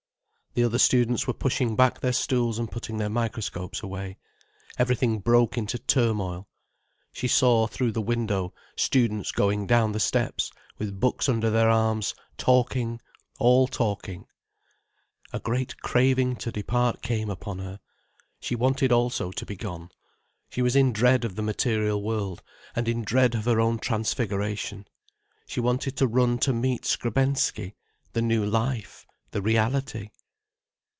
The other students were pushing back their stools and putting their microscopes away. Everything broke into turmoil. She saw, through the window, students going down the steps, with books under their arms, talking, all talking. A great craving to depart came upon her. She wanted also to be gone. She was in dread of the material world, and in dread of her own transfiguration. She wanted to run to meet Skrebensky—the new life, the reality.